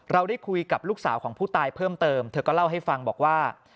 ได้คุยกับลูกสาวของผู้ตายเพิ่มเติมเธอก็เล่าให้ฟังบอกว่า